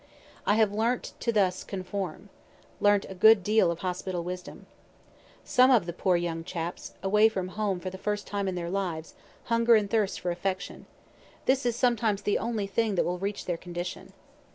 I have learnt to thus conform learnt a good deal of hospital wisdom. Some of the poor young chaps, away from home for the first time in their lives, hunger and thirst for affection; this is sometimes the only thing that will reach their condition.